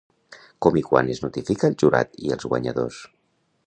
Com i quan es notifica el Jurat i els guanyadors?